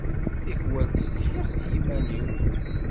Tikwal ttsetḥiɣ s yiman-iw.